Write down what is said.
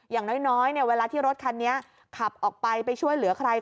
อย่างน้อยเวลาที่รถคันนี้ขับออกไปไปช่วยเหลือใคร